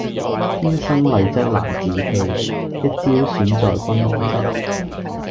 天生麗質難自棄，一朝選在君王側。